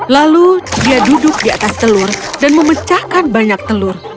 lalu dia duduk di atas telur dan memecahkan banyak telur